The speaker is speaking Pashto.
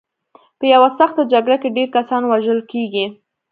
په یوه سخته جګړه کې ډېر کسان وژل کېږي.